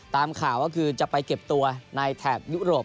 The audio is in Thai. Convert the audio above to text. ตามข่าวก็คือจะไปเก็บตัวในแถบยุโรป